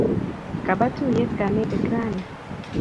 Kaba tuyet kanetik rani